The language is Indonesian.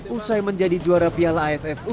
usai menjadi juara piala ffu dua puluh dua